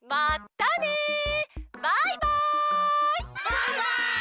バイバイ！